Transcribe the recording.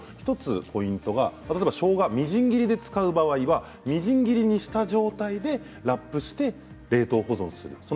１つポイントが、しょうがはみじん切りで使う場合はみじん切りにした状態でラップをして冷凍保存する。